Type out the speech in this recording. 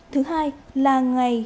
thứ hai là ngày